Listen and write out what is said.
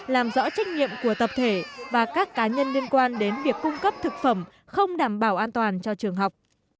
làm rõ trách nhiệm của tập thể và các cá nhân liên quan đến việc cung cấp thực phẩm không đảm bảo an toàn cho trường học